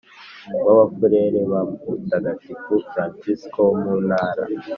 w Abafurere ba Mutagatifu Fransisko wo mu Ntara